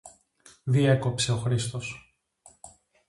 διέκοψε ο Χρήστος.